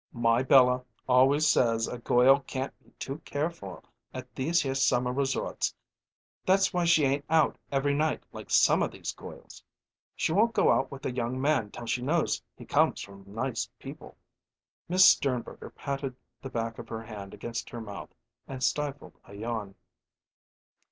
"My Bella always says a goil can't be too careful at these here summer resorts that's why she ain't out every night like some of these goils. She won't go out with a young man till she knows he comes from nice people." Miss Sternberger patted the back of her hand against her mouth and stifled a yawn.